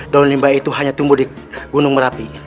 daun limbah itu hanya tumbuh di gunung merapi